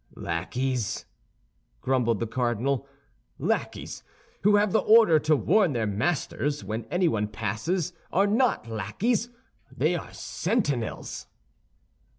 "Lackeys?" grumbled the cardinal. "Lackeys who have the order to warn their masters when anyone passes are not lackeys, they are sentinels."